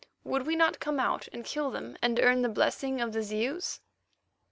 Would we not come out and kill them and earn the blessing of the Zeus?